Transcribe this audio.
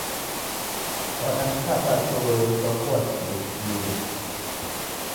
Wadanikaba toe ukakua sidekie